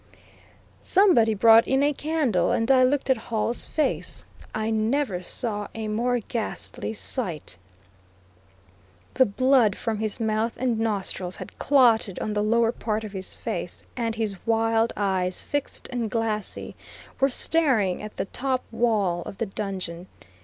Somebody brought in a candle and I looked at Hall's face. I never saw a more ghastly sight. The blood from his mouth and nostrils had clotted on the lower part of his face, and his wild eyes, fixed and glassy, were staring at the top wall of the dungeon.